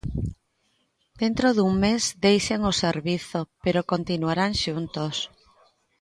Dentro dun mes deixan o servizo, pero continuarán xuntos.